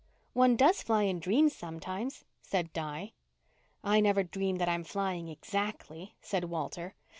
"One does fly in dreams sometimes," said Di. "I never dream that I'm flying exactly," said Walter.